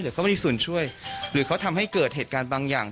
แต่เขาไม่ได้ส่วนช่วยหรือเขาทำให้เกิดเหตุการณ์บางอย่าง